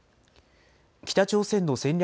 北朝鮮の戦略